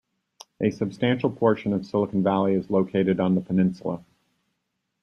A substantial portion of Silicon Valley is located on the peninsula.